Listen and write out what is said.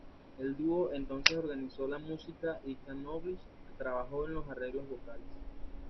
El dúo entonces organizó la música y Knowles trabajó en los arreglos vocales.